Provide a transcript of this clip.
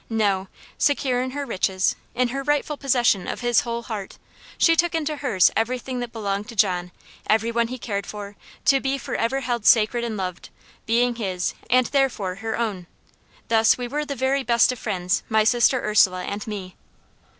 No; secure in her riches, in her rightful possession of his whole heart, she took into hers everything that belonged to John, every one he cared for; to be for ever held sacred and beloved, being his, and therefore her own. Thus we were the very best of friends, my sister Ursula and me.